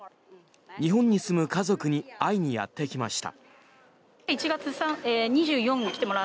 日本に住む家族に会いにやってきました。